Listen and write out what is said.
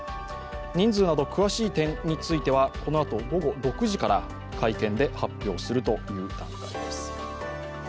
人数など詳しい点については午後６時から会見で発表するという段取りです。